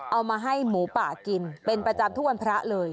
เอามาให้หมูป่ากินเป็นประจำทุกวันพระเลย